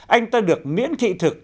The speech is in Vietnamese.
anh ta được miễn thị thực